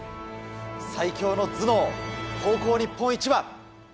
最強の頭脳高校日本一は。